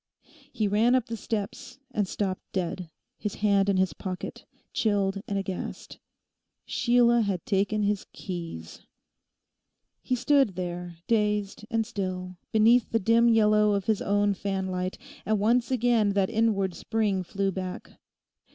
He ran up the steps and stopped dead, his hand in his pocket, chilled and aghast. Sheila had taken his keys. He stood there, dazed and still, beneath the dim yellow of his own fanlight; and once again that inward spring flew back.